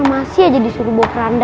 masih aja disuruh bawa keranda